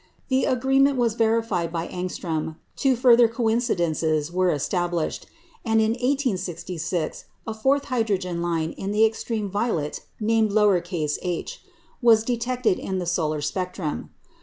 The agreement was verified by Ångström; two further coincidences were established; and in 1866 a fourth hydrogen line in the extreme violet (named h) was detected in the solar spectrum.